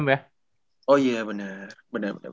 bebas mau lu dulu gak apa apa